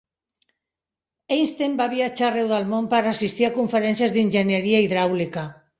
Einsten va viatjar arreu del món per assistir a conferències d'enginyeria hidràulica.